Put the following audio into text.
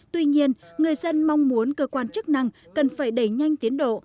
tuy nhiên người dân mong muốn cơ quan chức năng cần phải đẩy nhanh tiến độ